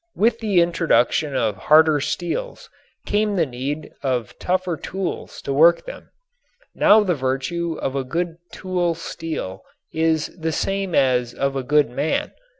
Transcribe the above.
With the introduction of harder steels came the need of tougher tools to work them. Now the virtue of a good tool steel is the same as of a good man.